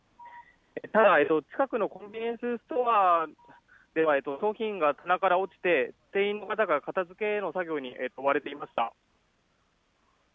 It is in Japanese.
ただ近くのコンビニエンスストアでは商品が棚から落ちて店員の方が片づけの作業に追われていました。